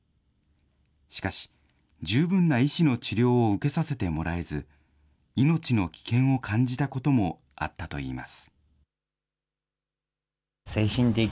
しかし、十分な医師の治療を受けさせてもらえず、命の危険を感じたこともあったといいます。